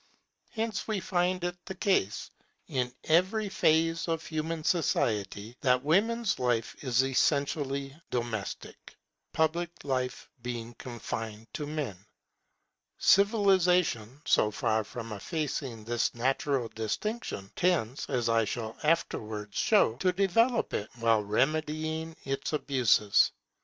Hence we find it the case in every phase of human society that women's life is essentially domestic, public life being confined to men. Civilization, so far from effacing this natural distinction, tends, as I shall afterwards show, to develop it, while remedying its abuses.